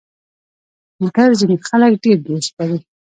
موټر ځینې خلک ډېر دوست لري.